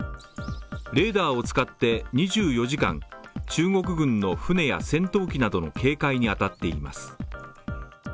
レーダーを使って２４時間、中国軍の船や戦闘機などの警戒にあたっています。